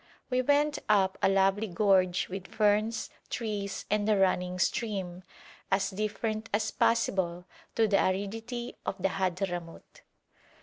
We went up a lovely gorge with ferns, trees, and a running stream, as different as possible to the aridity of the Hadhramout.